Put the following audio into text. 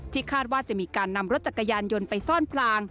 คาดว่าจะมีการนำรถจักรยานยนต์ไปซ่อนพลาง